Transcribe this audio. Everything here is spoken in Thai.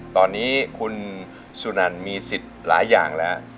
ตอนนี้คุณสุนันมีสิทธิ์หลายอย่างแล้ว